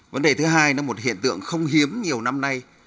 vấn đề thứ hai nó một hiện tượng không hiếm nhiều năm nay